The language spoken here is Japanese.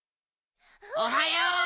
おはよう！